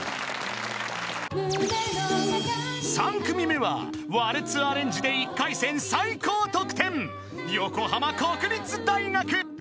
［３組目はワルツアレンジで１回戦最高得点］